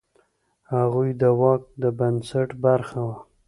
هغوی د واک د بنسټ برخه وه.